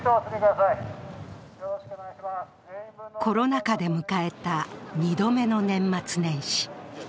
コロナ禍で迎えた２度目の年末年始。